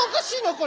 これ。